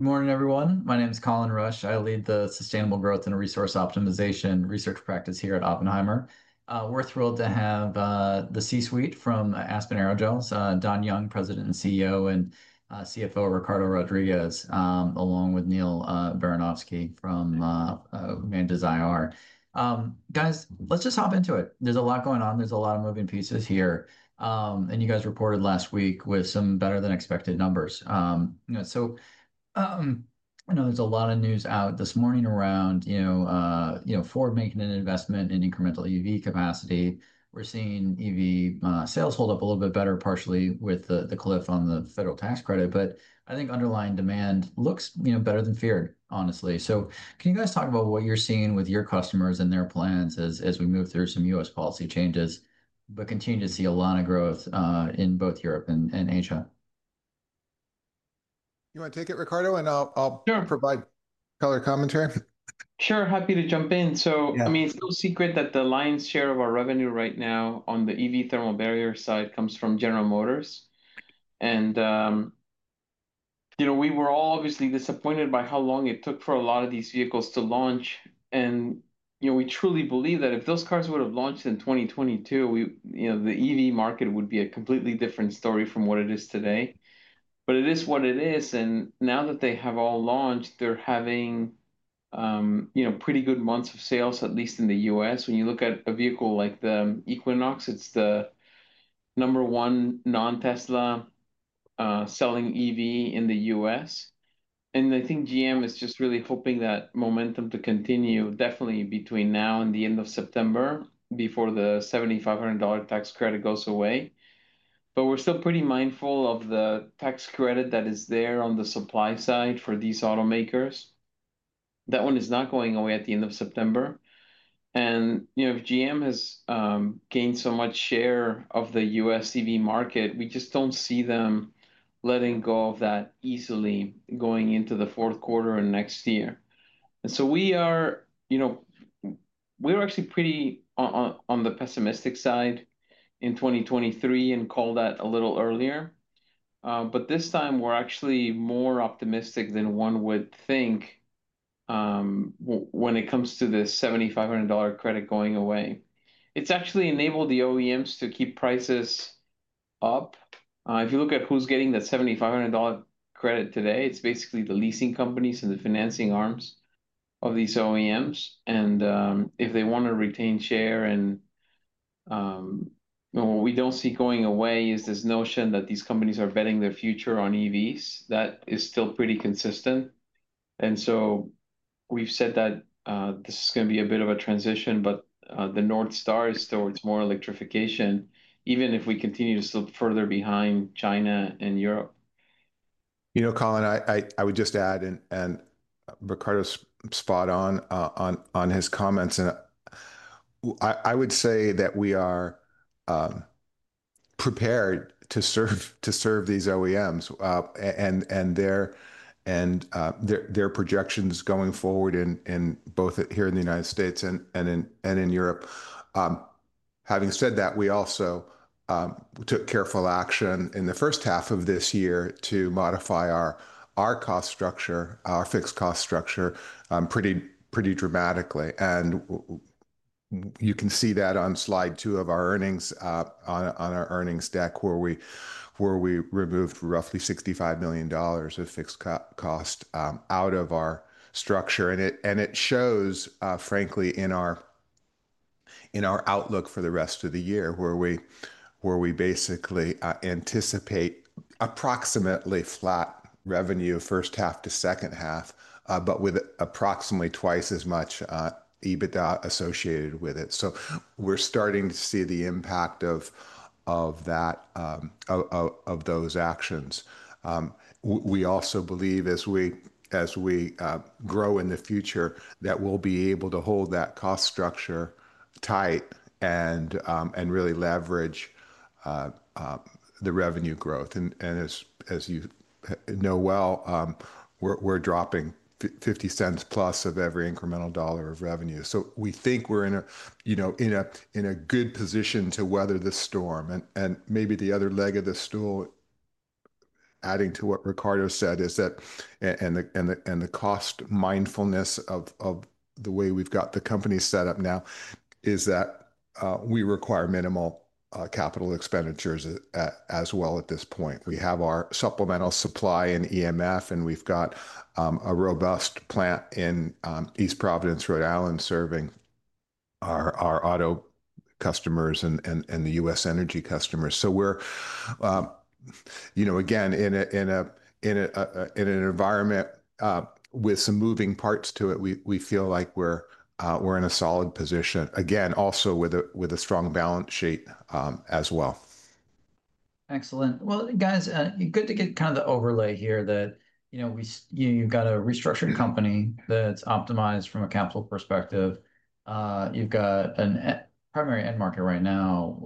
Good morning, everyone. My name is Colin William Rusch. I lead the Sustainable Growth and Resource Optimization Research practice here at Oppenheimer. We're thrilled to have the C-suite from Aspen Aerogels, Don Young, President and CEO, and CFO Ricardo C. Rodriguez, along with Neal Baranosky from Investor Relations. Guys, let's just hop into it. There's a lot going on. There's a lot of moving pieces here. You guys reported last week with some better than expected numbers. I know there's a lot of news out this morning around Ford making an investment in incremental EV capacity. We're seeing EV sales hold up a little bit better, partially with the cliff on the federal EV tax credit. I think underlying demand looks better than feared, honestly. Can you guys talk about what you're seeing with your customers and their plans as we move through some U.S. policy changes, but continue to see a lot of growth in both Europe and Asia? You want to take it, Ricardo? I'll provide color commentary. Sure, happy to jump in. It's no secret that the lion's share of our revenue right now on the EV thermal barrier side comes from General Motors. We were all obviously disappointed by how long it took for a lot of these vehicles to launch. We truly believe that if those cars would have launched in 2022, the EV market would be a completely different story from what it is today. It is what it is. Now that they have all launched, they're having pretty good months of sales, at least in the U.S. When you look at a vehicle like the Equinox, it's the number one non-Tesla selling EV in the U.S. I think General Motors is just really hoping that momentum continues definitely between now and the end of September before the $7,500 tax credit goes away. We're still pretty mindful of the tax credit that is there on the supply side for these automakers. That one is not going away at the end of September. If General Motors has gained so much share of the U.S. EV market, we just don't see them letting go of that easily going into the fourth quarter of next year. We were actually pretty on the pessimistic side in 2023 and called that a little earlier. This time, we're actually more optimistic than one would think when it comes to the $7,500 credit going away. It's actually enabled the OEMs to keep prices up. If you look at who's getting the $7,500 credit today, it's basically the leasing companies and the financing arms of these OEMs. If they want to retain share, what we don't see going away is this notion that these companies are betting their future on EVs. That is still pretty consistent. We've said that this is going to be a bit of a transition, but the north star is towards more electrification, even if we continue to slip further behind China and Europe. You know, Colin, I would just add, and Ricardo is spot on on his comments, I would say that we are prepared to serve these OEMs and their projections going forward in both here in the U.S. and in Europe. Having said that, we also took careful action in the first half of this year to modify our cost structure, our fixed cost structure, pretty dramatically. You can see that on slide two of our earnings deck, where we removed roughly $65 million of fixed cost out of our structure. It shows, frankly, in our outlook for the rest of the year, where we basically anticipate approximately flat revenue first half to second half, but with approximately twice as much EBITDA associated with it. We're starting to see the impact of those actions. We also believe, as we grow in the future, that we'll be able to hold that cost structure tight and really leverage the revenue growth. As you know well, we're dropping $0.50 plus of every incremental dollar of revenue. We think we're in a good position to weather the storm. Maybe the other leg of the stool, adding to what Ricardo said, is that, and the cost mindfulness of the way we've got the company set up now, is that we require minimal capital expenditures as well at this point. We have our supplemental supply in EMF, and we've got a robust plant in East Providence, Rhode Island, serving our auto customers and the U.S. energy customers. In an environment with some moving parts to it, we feel like we're in a solid position, also with a strong balance sheet as well. Excellent. Good to get kind of the overlay here that, you know, you've got a restructured company that's optimized from a capital perspective. You've got a primary end market right now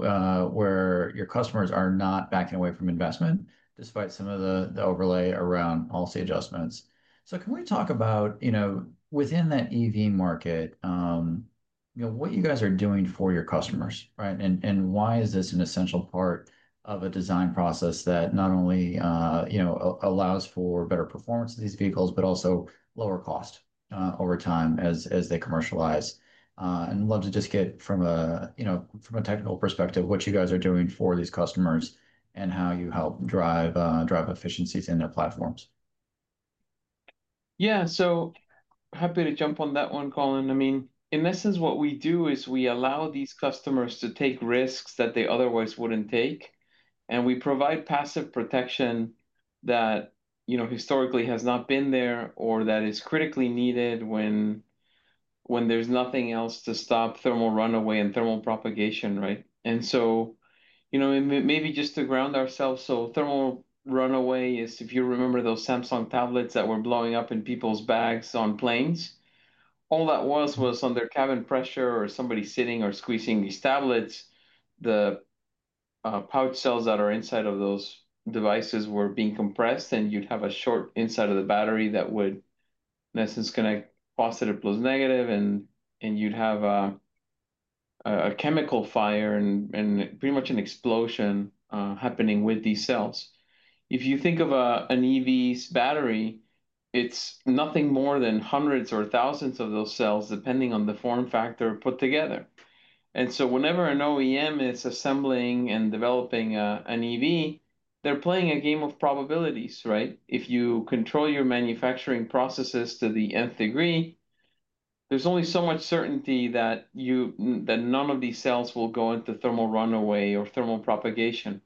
where your customers are not backing away from investment, despite some of the overlay around policy adjustments. Can we talk about, you know, within that EV market, what you guys are doing for your customers, right? Why is this an essential part of a design process that not only allows for better performance of these vehicles, but also lower cost over time as they commercialize? Love to just get from a technical perspective what you guys are doing for these customers and how you help drive efficiencies in their platforms. Yeah, happy to jump on that one, Colin. In essence, what we do is we allow these customers to take risks that they otherwise wouldn't take. We provide passive protection that, historically, has not been there or that is critically needed when there's nothing else to stop thermal runaway and thermal propagation, right? Maybe just to ground ourselves, thermal runaway is, if you remember those Samsung tablets that were blowing up in people's bags on planes, all that was was under cabin pressure or somebody sitting or squeezing these tablets. The pouch cells that are inside of those devices were being compressed, and you'd have a short inside of the battery that would, in essence, connect positive plus negative, and you'd have a chemical fire and pretty much an explosion happening with these cells. If you think of an EV's battery, it's nothing more than hundreds or thousands of those cells, depending on the form factor put together. Whenever an OEM is assembling and developing an EV, they're playing a game of probabilities, right? If you control your manufacturing processes to the nth degree, there's only so much certainty that none of these cells will go into thermal runaway or thermal propagation.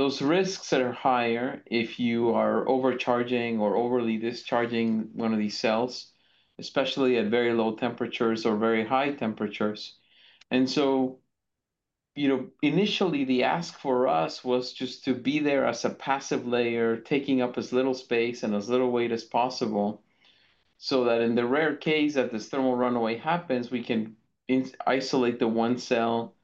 Those risks are higher if you are overcharging or overly discharging one of these cells, especially at very low temperatures or very high temperatures. Initially, the ask for us was just to be there as a passive layer, taking up as little space and as little weight as possible, so that in the rare case that this thermal runaway happens, we can isolate the one cell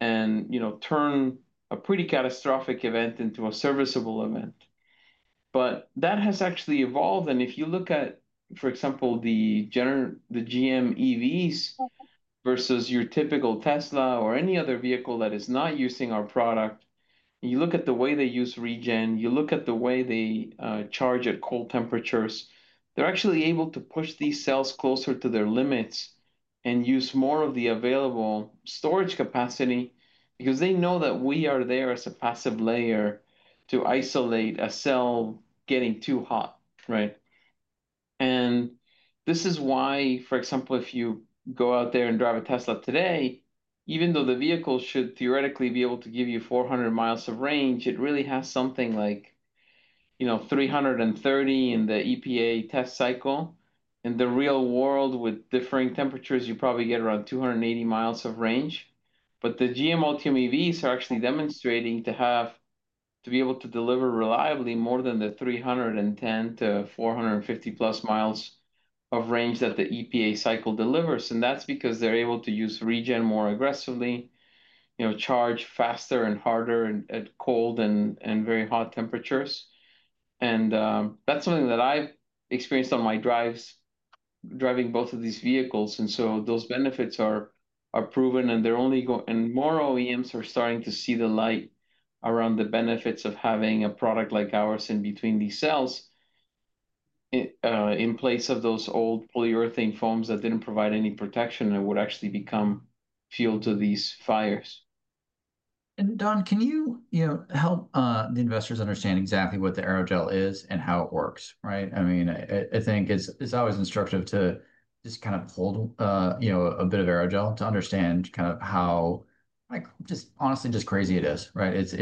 and turn a pretty catastrophic event into a serviceable event. That has actually evolved. If you look at, for example, the General Motors EVs versus your typical Tesla or any other vehicle that is not using our product, you look at the way they use regen, you look at the way they charge at cold temperatures, they're actually able to push these cells closer to their limits and use more of the available storage capacity because they know that we are there as a passive layer to isolate a cell getting too hot, right? This is why, for example, if you go out there and drive a Tesla today, even though the vehicle should theoretically be able to give you 400 mi of range, it really has something like 330 mi in the EPA test cycle. In the real world, with differing temperatures, you probably get around 280 mi of range. The GM Ultium EVs are actually demonstrating to be able to deliver reliably more than the 310 to 450+ mi of range that the EPA cycle delivers. That's because they're able to use regen more aggressively, charge faster and harder at cold and very hot temperatures. That's something that I've experienced on my drives, driving both of these vehicles. Those benefits are proven, and they're only going, and more OEMs are starting to see the light around the benefits of having a product like ours in between these cells, in place of those old polyurethane foams that didn't provide any protection and would actually become fuel to these fires. Don, can you help the investors understand exactly what the aerogel is and how it works, right? I think it's always instructive to just kind of hold, you know, a bit of aerogel to understand kind of how, like, just honestly, just crazy it is, right? It's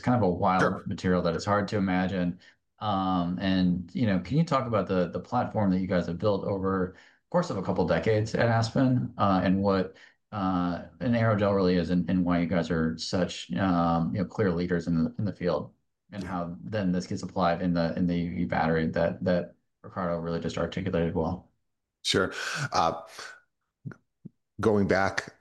kind of a wild material that it's hard to imagine. You know, can you talk about the platform that you guys have built over the course of a couple of decades at Aspen Aerogels and what an aerogel really is and why you guys are such, you know, clear leaders in the field and how then this gets applied in the EV battery that Ricardo really just articulated well. Sure. Going back,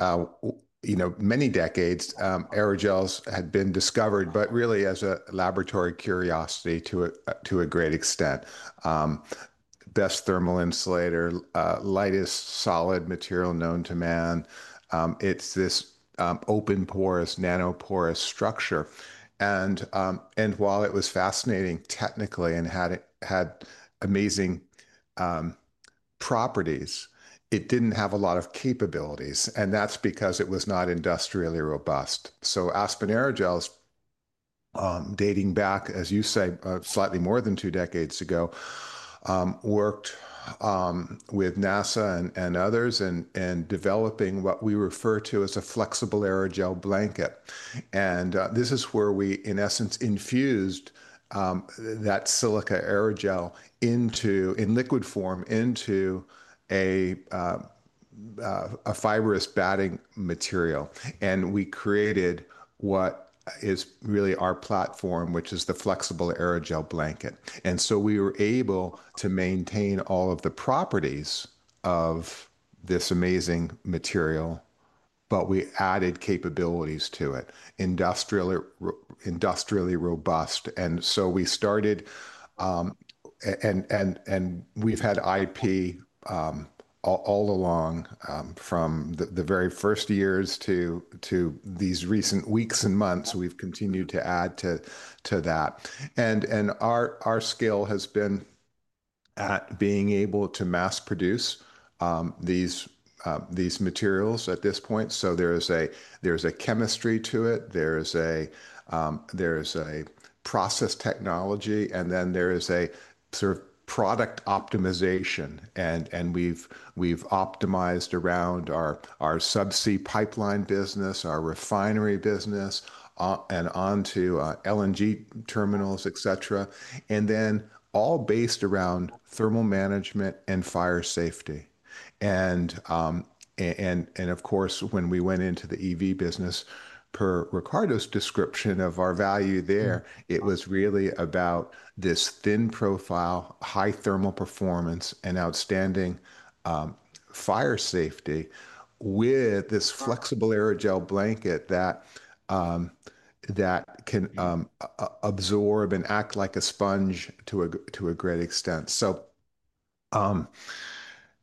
you know, many decades, aerogels had been discovered, but really as a laboratory curiosity to a great extent. Best thermal insulator, lightest solid material known to man. It's this open porous, nanoporous structure. While it was fascinating technically and had amazing properties, it didn't have a lot of capabilities. That is because it was not industrially robust. Aspen Aerogels, dating back, as you say, slightly more than two decades ago, worked with NASA and others in developing what we refer to as a flexible aerogel blanket. This is where we, in essence, infused that silica aerogel in liquid form into a fibrous batting material. We created what is really our platform, which is the flexible aerogel blanket. We were able to maintain all of the properties of this amazing material, but we added capabilities to it, industrially robust. We started, and we've had IP all along from the very first years to these recent weeks and months. We've continued to add to that. Our skill has been at being able to mass produce these materials at this point. There is a chemistry to it. There is a process technology, and then there is a sort of product optimization. We've optimized around our subsea pipeline business, our refinery business, and onto LNG terminals, etc. All based around thermal management and fire safety. Of course, when we went into the EV business, per Ricardo's description of our value there, it was really about this thin profile, high thermal performance, and outstanding fire safety with this flexible aerogel blanket that can absorb and act like a sponge to a great extent.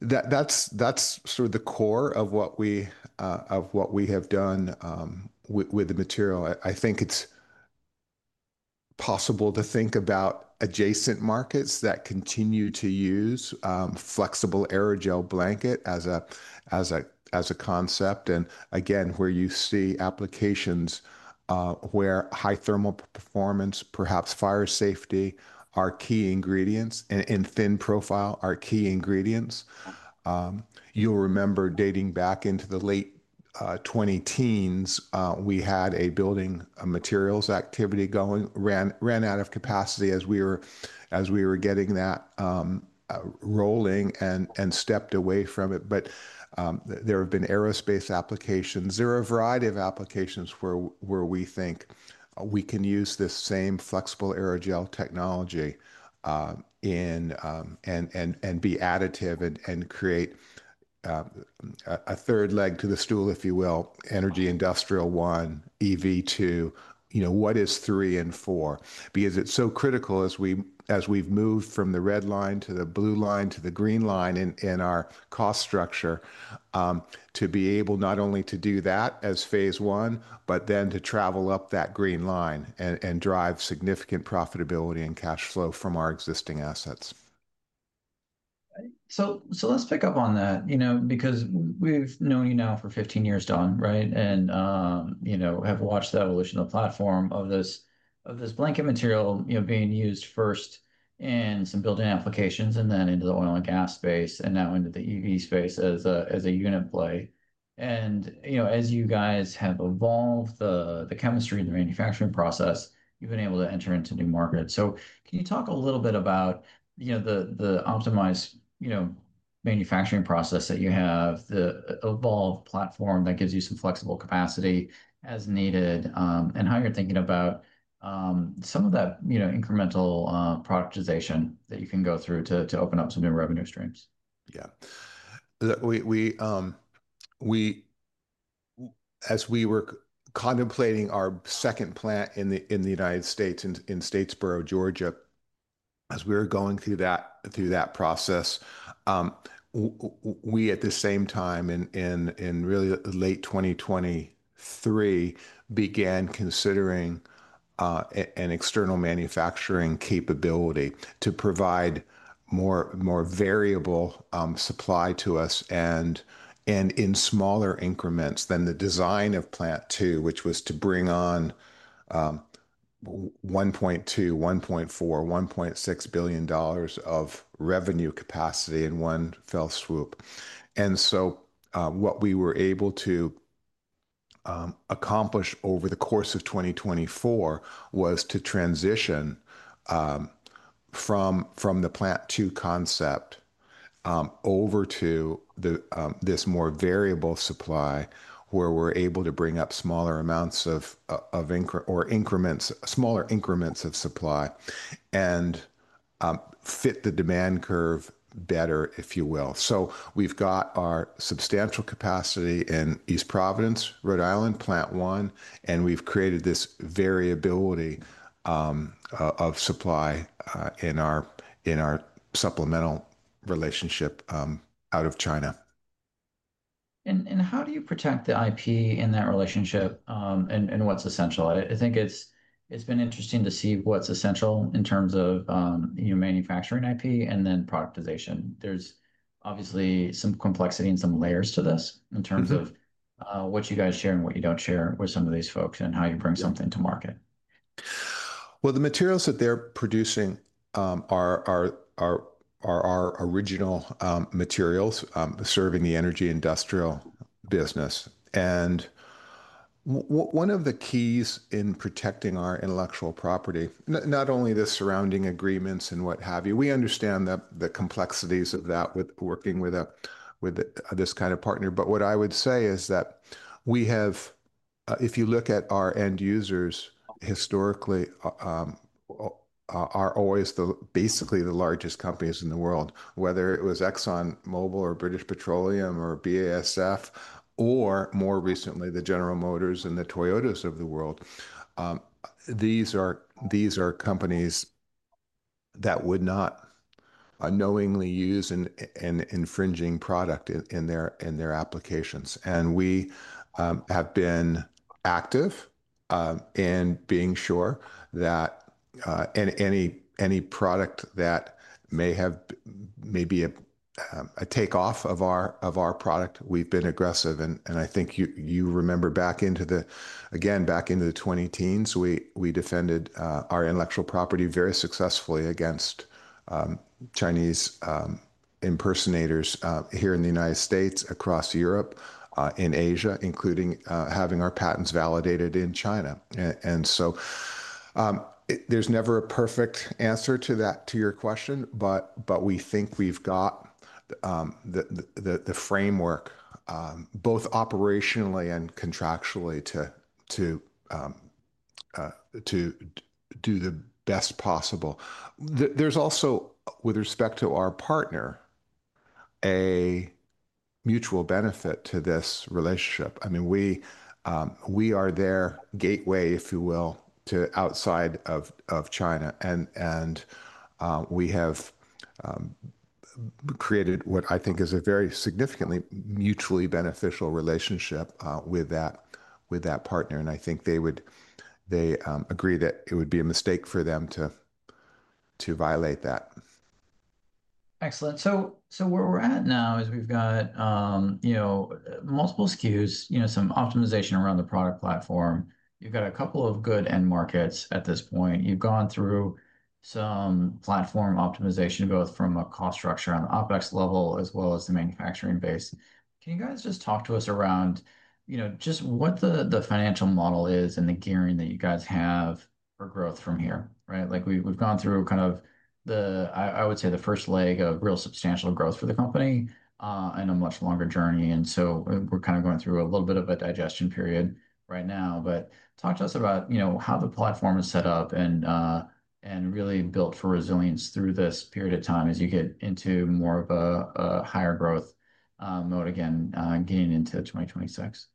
That's sort of the core of what we have done with the material. I think it's possible to think about adjacent markets that continue to use flexible aerogel blanket as a concept. Again, where you see applications where high thermal performance, perhaps fire safety, are key ingredients, and thin profile are key ingredients. You'll remember dating back into the late 2010s, we had a building materials activity going, ran out of capacity as we were getting that rolling and stepped away from it. There have been aerospace applications. There are a variety of applications where we think we can use this same flexible aerogel technology and be additive and create a third leg to the stool, if you will, energy industrial one, EV two. You know, what is three and four? It is so critical as we've moved from the red line to the blue line to the green line in our cost structure to be able not only to do that as phase one, but then to travel up that green line and drive significant profitability and cash flow from our existing assets. Let's pick up on that, you know, because we've known you now for 15 years, Don, right? You know, have watched the evolution of the platform of this blanket material, you know, being used first in some built-in applications and then into the oil and gas space and now into the EV space as a unit play. You know, as you guys have evolved the chemistry and the manufacturing process, you've been able to enter into new markets. Can you talk a little bit about, you know, the optimized, you know, manufacturing process that you have, the evolved platform that gives you some flexible capacity as needed, and how you're thinking about some of that, you know, incremental productization that you can go through to open up some new revenue streams? As we were contemplating our second plant in the U.S., in Statesboro, Georgia, as we were going through that process, we at the same time in really late 2023 began considering an external manufacturing capability to provide more variable supply to us and in smaller increments than the design of plant two, which was to bring on $1.2 billion, $1.4 billion, $1.6 billion of revenue capacity in one fell swoop. What we were able to accomplish over the course of 2024 was to transition from the plant two concept over to this more variable supply where we're able to bring up smaller increments of supply and fit the demand curve better, if you will. We've got our substantial capacity in East Providence, Rhode Island, plant one, and we've created this variability of supply in our supplemental relationship out of China. How do you protect the IP in that relationship and what's essential? I think it's been interesting to see what's essential in terms of, you know, manufacturing IP and then productization. There's obviously some complexity and some layers to this in terms of what you guys share and what you don't share with some of these folks and how you bring something to market. The materials that they're producing are our original materials serving the energy industrial business. One of the keys in protecting our intellectual property, not only the surrounding agreements and what have you, is that we understand the complexities of that with working with this kind of partner. What I would say is that we have, if you look at our end users, historically are always basically the largest companies in the world, whether it was Exxon, Chevron, Shell, or BASF, or more recently the General Motors and the Toyotas of the world. These are companies that would not unknowingly use an infringing product in their applications. We have been active in being sure that any product that may have maybe a takeoff of our product, we've been aggressive. I think you remember back into the, again, back into the 2010s, we defended our intellectual property very successfully against Chinese impersonators here in the U.S., across Europe, in Asia, including having our patents validated in China. There is never a perfect answer to that, to your question, but we think we've got the framework, both operationally and contractually, to do the best possible. There is also, with respect to our partner, a mutual benefit to this relationship. I mean, we are their gateway, if you will, to outside of China. We have created what I think is a very significantly mutually beneficial relationship with that partner. I think they would agree that it would be a mistake for them to violate that. Excellent. Where we're at now is we've got, you know, multiple SKUs, some optimization around the product platform. You've got a couple of good end markets at this point. You've gone through some platform optimization, both from a cost structure on the OpEx level as well as the manufacturing base. Can you guys just talk to us around, you know, just what the financial model is and the gearing that you guys have for growth from here, right? Like we've gone through kind of the, I would say, the first leg of real substantial growth for the company and a much longer journey. We're kind of going through a little bit of a digestion period right now. Talk to us about, you know, how the platform is set up and really built for resilience through this period of time as you get into more of a higher growth mode again, getting into 2026.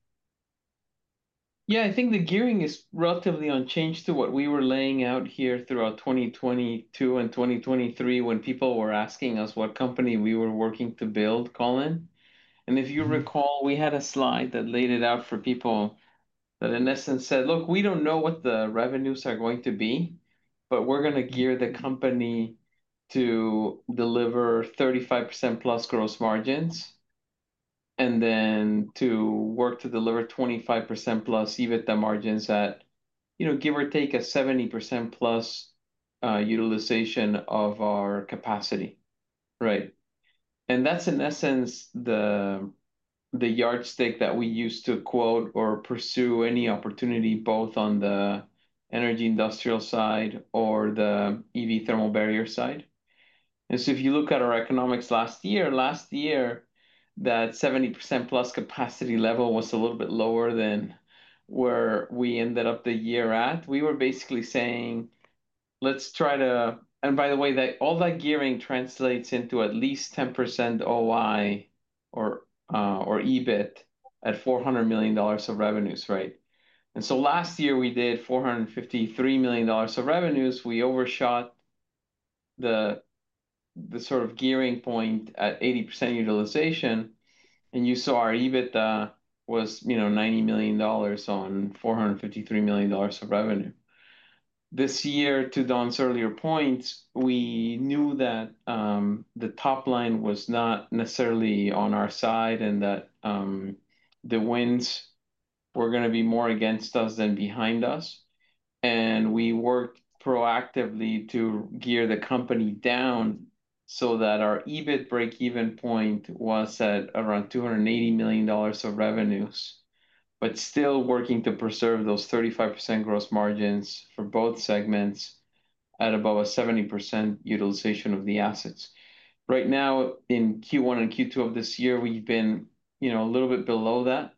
Yeah, I think the gearing is relatively unchanged to what we were laying out here throughout 2022 and 2023 when people were asking us what company we were working to build, Colin. If you recall, we had a slide that laid it out for people that, in essence, said, look, we don't know what the revenues are going to be, but we're going to gear the company to deliver 35% plus gross margins and then to work to deliver 25% plus EBITDA margins at, you know, give or take a 70% plus utilization of our capacity, right? That's, in essence, the yardstick that we use to quote or pursue any opportunity, both on the energy industrial side or the EV thermal barrier side. If you look at our economics last year, that 70% plus capacity level was a little bit lower than where we ended up the year at. We were basically saying, let's try to, and by the way, all that gearing translates into at least 10% OI or EBIT at $400 million of revenues, right? Last year we did $453 million of revenues. We overshot the sort of gearing point at 80% utilization. You saw our EBITDA was, you know, $90 million on $453 million of revenue. This year, to Don's earlier points, we knew that the top line was not necessarily on our side and that the winds were going to be more against us than behind us. We worked proactively to gear the company down so that our EBIT break-even point was at around $280 million of revenues, but still working to preserve those 35% gross margins for both segments at above a 70% utilization of the assets. Right now, in Q1 and Q2 of this year, we've been, you know, a little bit below that.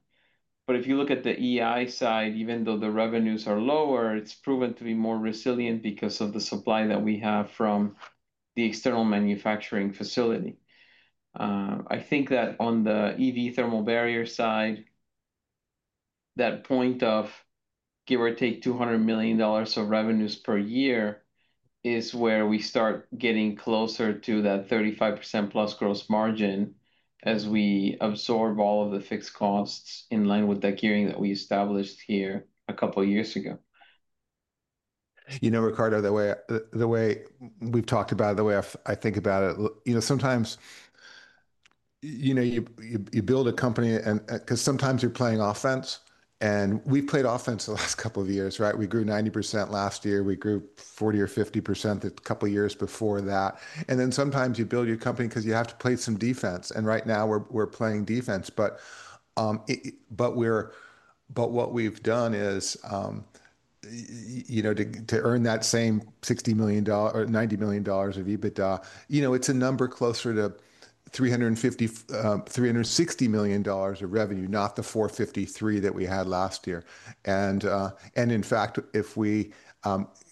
If you look at the EI side, even though the revenues are lower, it's proven to be more resilient because of the supply that we have from the external manufacturing facility. I think that on the EV thermal barrier side, that point of give or take $200 million of revenues per year is where we start getting closer to that 35% plus gross margin as we absorb all of the fixed costs in line with that gearing that we established here a couple of years ago. Ricardo, the way we've talked about it, the way I think about it, sometimes you build a company because you're playing offense. We played offense the last couple of years, right? We grew 90% last year. We grew 40% or 50% a couple of years before that. Sometimes you build your company because you have to play some defense. Right now, we're playing defense. What we've done is, to earn that same $60 million or $90 million of EBITDA, it's a number closer to $360 million of revenue, not the $453 million that we had last year. In fact, if we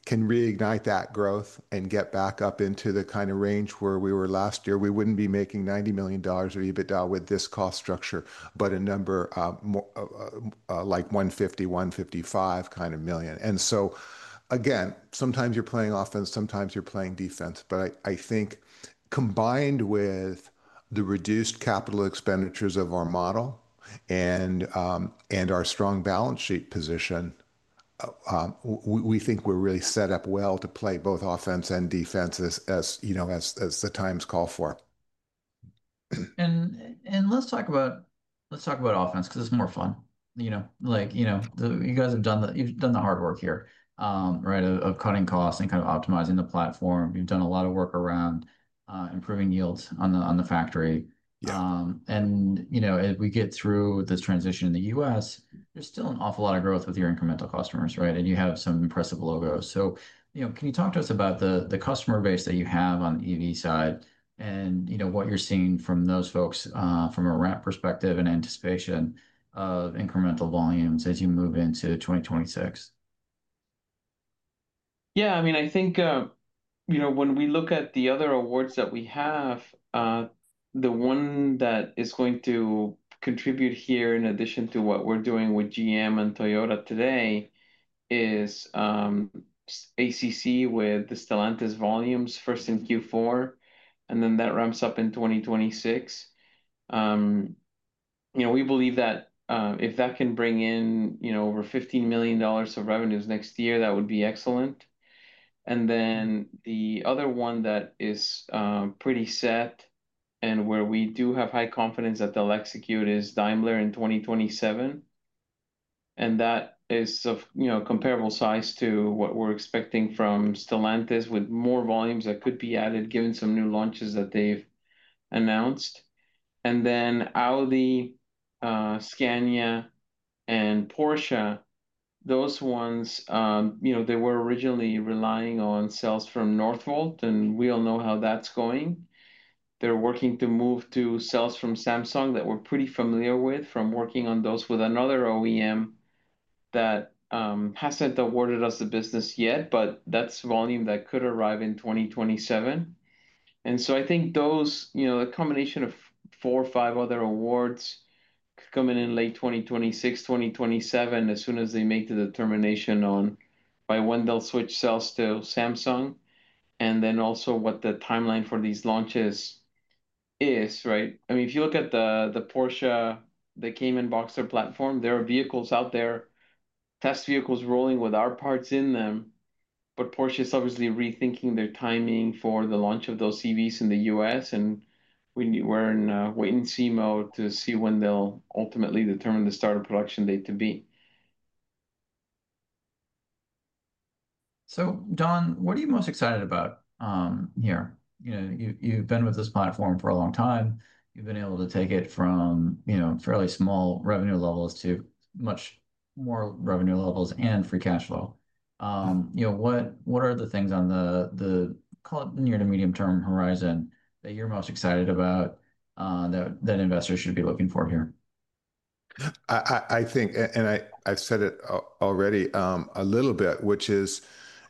can reignite that growth and get back up into the kind of range where we were last year, we wouldn't be making $90 million of EBITDA with this cost structure, but a number like $150 million, $155 million. Sometimes you're playing offense, sometimes you're playing defense. I think combined with the reduced capital expenditures of our model and our strong balance sheet position, we think we're really set up well to play both offense and defense as the times call for. Let's talk about offense because it's more fun. You know, you guys have done the hard work here, right, of cutting costs and kind of optimizing the platform. You've done a lot of work around improving yields on the factory. If we get through the transition in the U.S., there's still an awful lot of growth with your incremental customers, right? You have some impressive logos. Can you talk to us about the customer base that you have on the EV side and what you're seeing from those folks from a RAT perspective and anticipation of incremental volumes as you move into 2026? Yeah, I mean, I think, you know, when we look at the other awards that we have, the one that is going to contribute here in addition to what we're doing with General Motors and Toyota today is ACC with the Stellantis volumes, first in Q4, and then that ramps up in 2026. We believe that if that can bring in over $15 million of revenues next year, that would be excellent. The other one that is pretty set and where we do have high confidence that they'll execute is Mercedes-Benz in 2027. That is of comparable size to what we're expecting from Stellantis with more volumes that could be added given some new launches that they've announced. Audi, Scania, and Porsche, those ones, they were originally relying on sales from Northvolt, and we all know how that's going. They're working to move to sales from Samsung that we're pretty familiar with from working on those with another OEM that hasn't awarded us the business yet, but that's volume that could arrive in 2027. I think those, the combination of four or five other awards coming in late 2026, 2027, as soon as they make the determination on by when they'll switch sales to Samsung, and then also what the timeline for these launches is, right? I mean, if you look at the Porsche Cayman Boxster platform, there are vehicles out there, test vehicles rolling with our parts in them, but Porsche is obviously rethinking their timing for the launch of those EVs in the U.S., and we're in wait-and-see mode to see when they'll ultimately determine the start of production date to be. Don, what are you most excited about here? You've been with this platform for a long time. You've been able to take it from fairly small revenue levels to much more revenue levels and free cash flow. What are the things on the near to medium term horizon that you're most excited about that investors should be looking for here? I think, and I've said it already a little bit, which is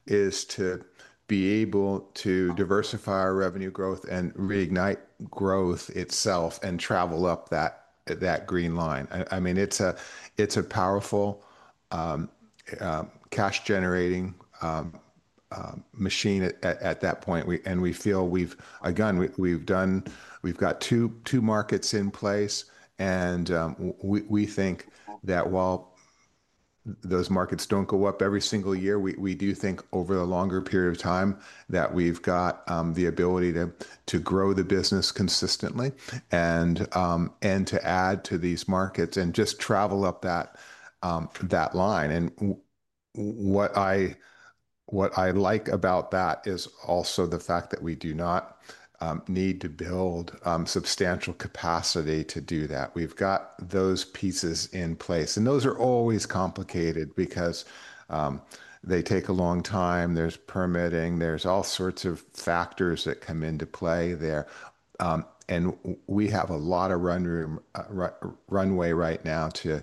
to be able to diversify our revenue growth and reignite growth itself and travel up that green line. It's a powerful cash-generating machine at that point. We feel we've, again, we've done, we've got two markets in place. We think that while those markets don't go up every single year, we do think over a longer period of time that we've got the ability to grow the business consistently and to add to these markets and just travel up that line. What I like about that is also the fact that we do not need to build substantial capacity to do that. We've got those pieces in place. Those are always complicated because they take a long time. There's permitting. There are all sorts of factors that come into play there. We have a lot of runway right now to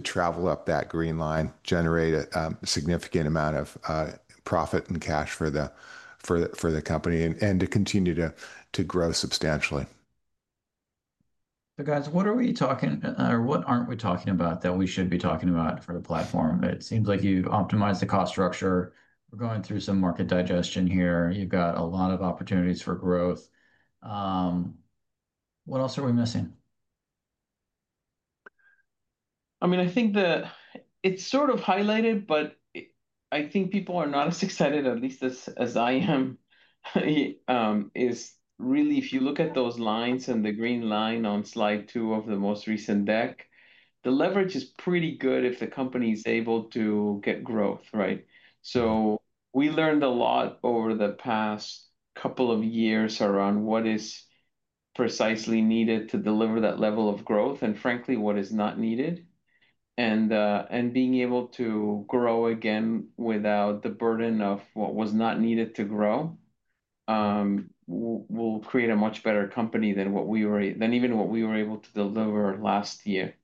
travel up that green line, generate a significant amount of profit and cash for the company, and to continue to grow substantially. What are we talking or what aren't we talking about that we should be talking about for the platform? It seems like you've optimized the cost structure. We're going through some market digestion here. You've got a lot of opportunities for growth. What else are we missing? I mean, I think that it's sort of highlighted, but I think people are not as excited, at least as I am, is really, if you look at those lines and the green line on slide two of the most recent deck, the leverage is pretty good if the company is able to get growth, right? We learned a lot over the past couple of years around what is precisely needed to deliver that level of growth and, frankly, what is not needed. Being able to grow again without the burden of what was not needed to grow will create a much better company than what we were, than even what we were able to deliver last year.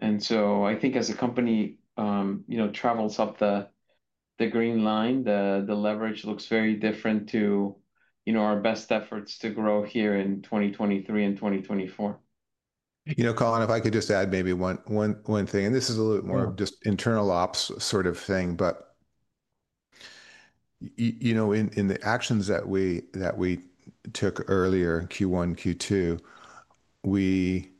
I think as a company, you know, travels up the green line, the leverage looks very different to, you know, our best efforts to grow here in 2023 and 2024. You know, Colin, if I could just add maybe one thing, and this is a little bit more of just internal ops sort of thing, but in the actions that we took earlier, Q1, Q2, we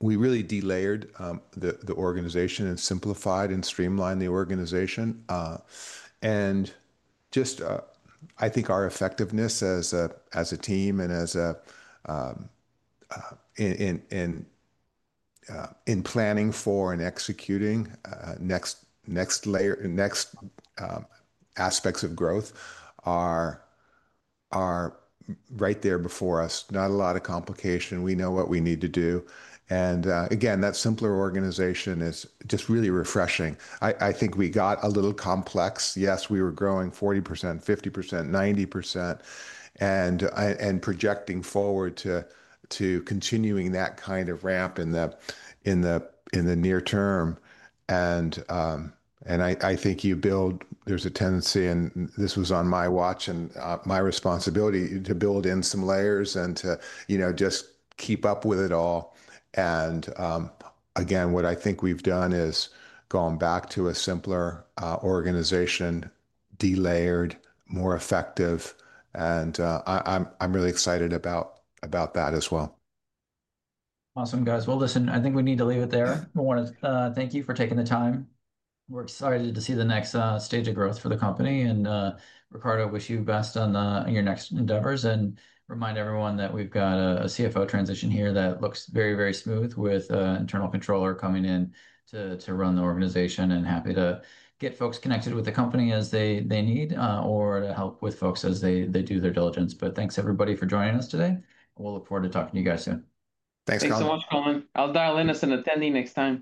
really delayered the organization and simplified and streamlined the organization. I think our effectiveness as a team and as in planning for and executing next aspects of growth are right there before us. Not a lot of complication. We know what we need to do. That simpler organization is just really refreshing. I think we got a little complex. Yes, we were growing 40%, 50%, 90%, and projecting forward to continuing that kind of ramp in the near term. I think you build, there's a tendency, and this was on my watch and my responsibility to build in some layers and to, you know, just keep up with it all. What I think we've done is gone back to a simpler organization, delayered, more effective, and I'm really excited about that as well. Awesome, guys. I think we need to leave it there. I want to thank you for taking the time. We're excited to see the next stage of growth for the company. Ricardo, wish you best on your next endeavors. Remind everyone that we've got a CFO transition here that looks very, very smooth with an internal controller coming in to run the organization. Happy to get folks connected with the company as they need or to help with folks as they do their diligence. Thanks everybody for joining us today. We'll look forward to talking to you guys soon. Thanks, Colin. Thanks so much, Colin. I'll dial in as an attendee next time.